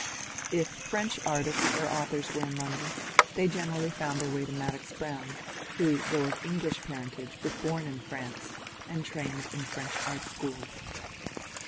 If French artists or authors were in London they generally found their way to Madox Brown, who, though of English parentage, was born in France (1821) and trained in French art schools.